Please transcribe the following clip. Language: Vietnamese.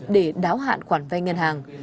để đáo hạn khoản vay ngân hàng